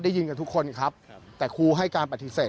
ได้ยินกับทุกคนครับแต่ครูให้การปฏิเสธ